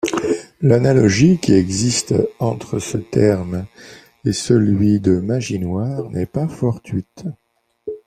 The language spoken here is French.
L'analogie qui existe entre ce terme et celui de magie noire n'est pas fortuite.